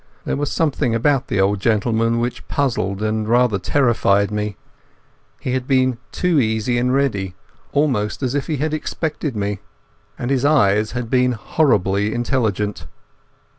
There was something about the old gentleman which puzzled and rather terrified me. He had been too easy and ready, almost as if he had expected me. And his eyes had been horribly intelligent.